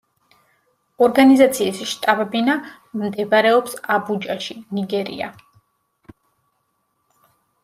ორგანიზაციის შტაბ-ბინა მდებარეობს აბუჯაში, ნიგერია.